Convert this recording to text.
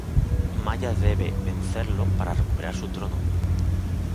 Maya debe vencerlo para recuperar su trono.